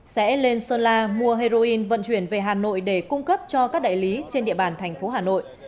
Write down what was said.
sẽ lên sơn la mua heroin vận chuyển về hà nội để cung cấp cho các đại lý trên địa bàn thành phố hà nội